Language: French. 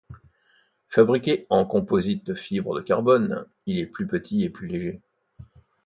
Fabriqué en composite fibre de carbone il est plus petit et plus léger.